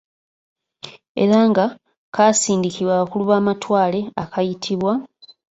Era nga kaasindikibwa abakulu b’Amatwale akayitibwa,